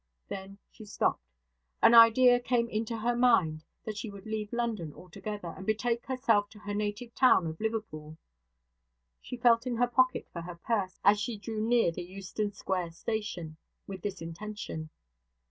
Then she stopped. An idea came into her mind that she would leave London altogether, and betake herself to her native town of Liverpool. She felt in her pocket for her purse as she drew near the Euston Square station with this intention.